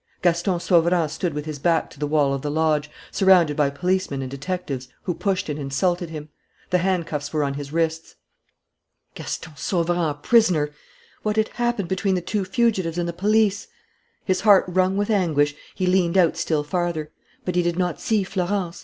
Gaston Sauverand stood with his back to the wall of the lodge, surrounded by policemen and detectives who pushed and insulted him. The handcuffs were on his wrists. Gaston Sauverand a prisoner! What had happened between the two fugitives and the police? His heart wrung with anguish, he leaned out still farther. But he did not see Florence.